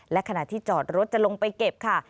และขณะที่จอดรถจะลงไปเก็บค่ะ